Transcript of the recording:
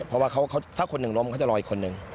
เพราะว่าถ้าคนหนึ่งล้มเขาจะรออีกคนนึง